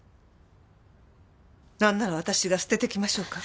なんなら私が捨ててきましょうか。